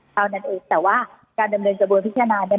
เท่านั้นเองแต่ว่าการดำเนินกระบวนพิจารณาเนี่ย